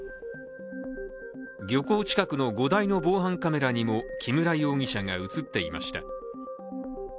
漁港近くの５台の防犯カメラにも木村容疑者が映っていました。